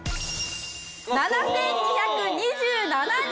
７２２７人！